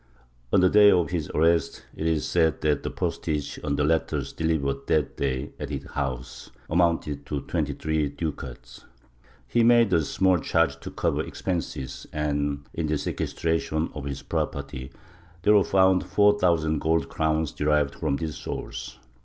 On the day of his arrest it is said that the postage on the letters delivered that day at his house amounted to twenty three ducats ; he made a small charge to cover expenses and, in the seques tration of his property, there were foimd four thousand gold crowns derived from this source.